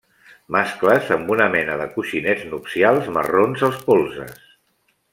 Mascles amb una mena de coixinets nupcials marrons als polzes.